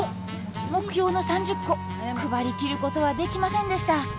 目標の３０個配りきることはできませんでした